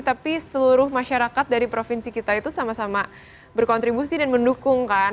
tapi seluruh masyarakat dari provinsi kita itu sama sama berkontribusi dan mendukung kan